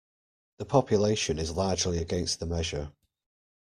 The population is largely against the measure.